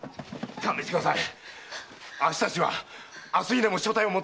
勘弁してください！